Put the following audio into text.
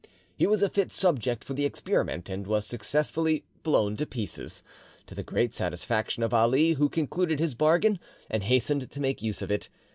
He was a fit subject for the experiment, and was successfully blown to pieces, to the great satisfaction of Ali, who concluded his bargain, and hastened to make use of it.